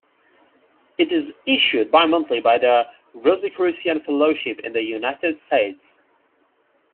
It is issued bimonthly by The Rosicrucian Fellowship in the United States.